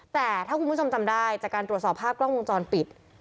แต่ถ้าคุณผู้ชมจำได้จากการตรวจสอบภาพกล้องวงจรปิด